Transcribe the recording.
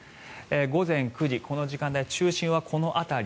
午前９時、この時間で中心はこの辺り。